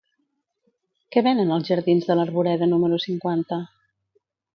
Què venen als jardins de l'Arboreda número cinquanta?